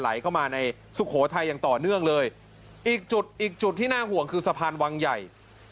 เข้ามาในสุโขทัยอย่างต่อเนื่องเลยอีกจุดอีกจุดที่น่าห่วงคือสะพานวังใหญ่